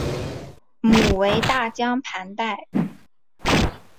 母为大江磐代。